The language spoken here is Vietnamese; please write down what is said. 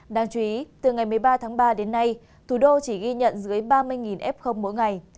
đáng chú ý từ ngày một mươi ba tháng ba đến nay thủ đô chỉ ghi nhận dưới ba mươi f mỗi ngày